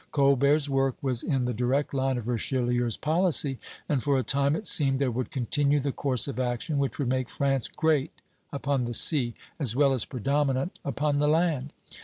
Colbert's work was in the direct line of Richelieu's policy, and for a time it seemed there would continue the course of action which would make France great upon the sea as well as predominant upon the land.